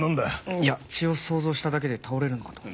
いや血を想像しただけで倒れるのかと思って。